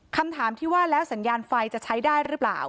คำถามที่ว่าแล้วสัญญาณไฟจะใช้ได้หรือเปล่า